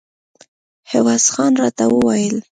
عوض خان راته ویل.